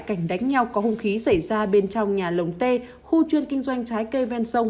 cảnh đánh nhau có hung khí xảy ra bên trong nhà lồng t khu chuyên kinh doanh trái cây ven sông